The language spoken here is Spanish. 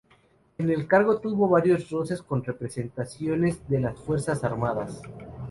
En el cargo tuvo varios roces con representantes de las Fuerzas Armadas.